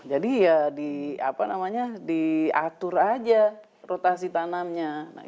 jadi ya di atur aja rotasi tanamnya